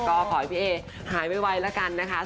ก็ขอให้พี่เอหายไวแล้วกันนะคะ